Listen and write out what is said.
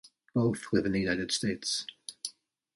Both live in the United States.